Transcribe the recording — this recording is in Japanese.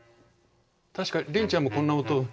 確かリンちゃんもこんな音。